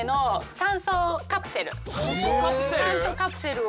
酸素カプセルを。